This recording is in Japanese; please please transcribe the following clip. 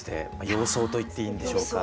洋装と言っていいんでしょうか。